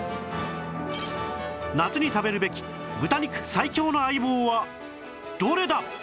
夏に食べるべき豚肉最強の相棒はどれだ？